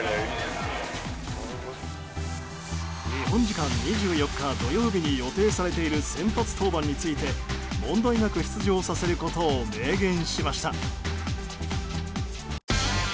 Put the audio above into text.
日本時間２４日土曜日に予定されている先発登板について問題なく出場させることを明言しました。